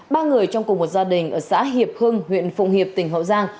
ba người trong cùng một gia đình ở xã hiệp hưng huyện phụng hiệp tỉnh hậu giang